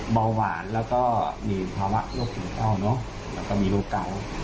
เบาหวานแล้วก็มีภาวะโรคซึมเศร้าเนอะแล้วก็มีโรคเก่า